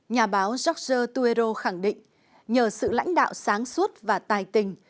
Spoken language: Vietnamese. nhà báo george tuerro khẳng định nhờ sự lãnh đạo sáng suốt và tài tình